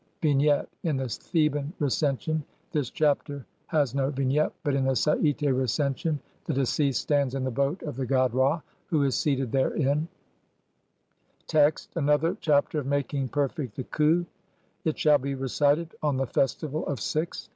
] Vignette : In the Theban Recension this Chapter has no Vignette, but in the Saite Recension the deceased stands in the boat of the god Ra who is seated therein (see Lepsius, op. cit., Bl. 56). Text : (1) ANOTHER CHAPTER OF MAKING PERFECT THE KHU ; [it shall be recited] on the festival of Six.